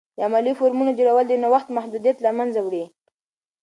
د علمي فورمونو جوړول، د نوښت محدودیت له منځه وړي.